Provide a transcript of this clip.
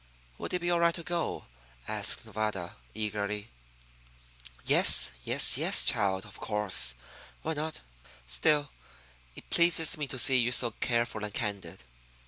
"Would it be all right to go?" asked Nevada, eagerly. "Yes, yes, yes, child; of course. Why not? Still, it pleases me to see you so careful and candid.